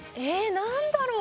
何だろう？